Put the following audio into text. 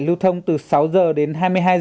lưu thông từ sáu h đến hai mươi hai h